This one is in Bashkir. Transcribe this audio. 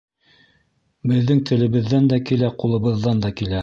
Беҙҙең телебеҙҙән дә килә, ҡулыбыҙҙан да килә.